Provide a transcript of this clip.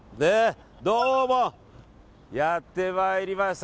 どうも、やってまいりました。